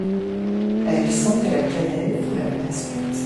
Elle sentait la cannelle et la mélasse cuite.